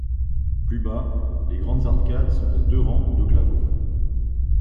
Plus bas, les grandes arcades sont à deux rangs de claveaux.